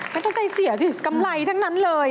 ก็ต้องใจเสียสิกำไรทั้งนั้นเลย